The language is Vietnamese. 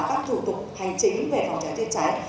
các thủ tục hành chính về phòng cháy chữa cháy